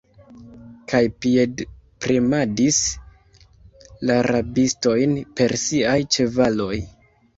kaj piedpremadis la rabistojn per siaj ĉevaloj.